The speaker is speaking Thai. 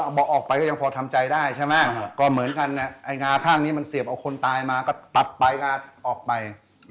พอออกไปก็ยังพอทำใจได้ใช่ไหมก็เหมือนกันไอ้งาข้างนี้มันเสียบเอาคนตายมาก็ตัดไปงาออกไป